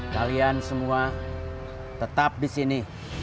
kalian semua tetap di sini